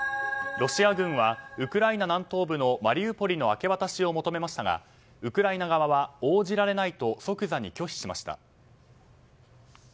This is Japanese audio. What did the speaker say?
ロシア軍はウクライナ南東部のマリウポリの明け渡しを求めましたがウクライナ側は応じられないと即座に拒否しました。